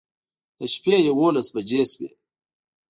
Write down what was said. د شپې يوولس بجې شوې